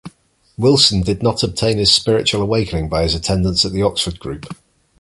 Wilson did not obtain his spiritual awakening by his attendance at the Oxford Group.